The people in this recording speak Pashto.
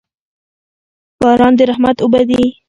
باران د رحمت اوبه دي.